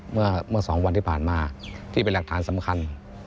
เมื่อ๒วันที่ผ่านมาที่เป็นหลักฐานสำคัญ